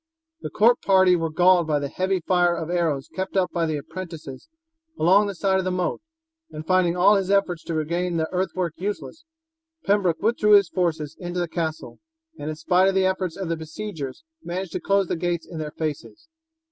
The court party were galled by the heavy fire of arrows kept up by the apprentices along the side of the moat, and finding all his efforts to regain the earth work useless, Pembroke withdrew his forces into the castle, and in spite of the efforts of the besiegers managed to close the gates in their faces.